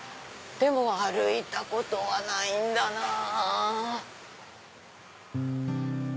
でも歩いたことはないんだなぁ。